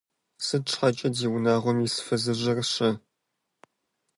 Сыт щхьэкӀэ, ди унагъуэм ис фызыжьыр-щэ?